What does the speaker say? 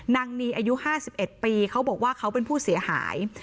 นางนีอายุ๕๑ปีเขาบอกว่าเขาเป็นผู้เสียหาย